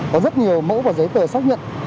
có rất nhiều mẫu và giấy tờ xác nhận